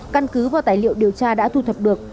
căn cứ và tài liệu điều tra đã thu thập được